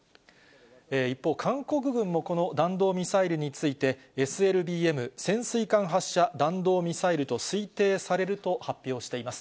一方、韓国軍もこの弾道ミサイルについて、ＳＬＢＭ・潜水艦発射弾道ミサイルと推定されると発表しています。